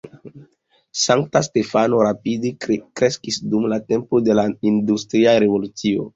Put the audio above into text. Sankta Stefano rapide kreskis dum la tempo de la industria revolucio.